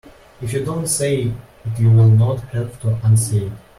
If you don't say it you will not have to unsay it.